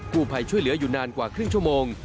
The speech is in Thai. ผู้ภัยช่วยเหลืออยู่นานกว่าครึ่งชั่วโมง